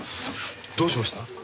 どうしました？